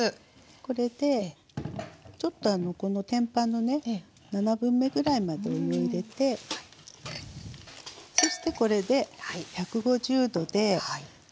これでちょっとこの天板のね七分目ぐらいまでお湯を入れてそしてこれで１５０℃で大体１５分ですね。